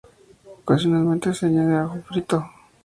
Ocasionalmente se añade ajo frito.